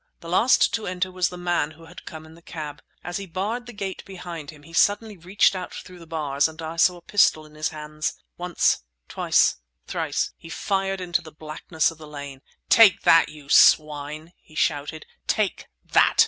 The last to enter was the man who had come in the cab. As he barred the gate behind him he suddenly reached out through the bars and I saw a pistol in his hand. Once—twice—thrice—he fired into the blackness of the lane. "Take that, you swine!" he shouted. "Take that!"